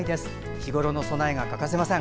日ごろの備えが欠かせません。